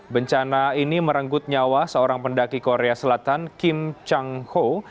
bencana ini merenggut nyawa seorang pendaki korea selatan kim chang ho